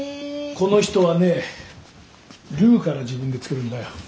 この人はねルーから自分で作るんだよ。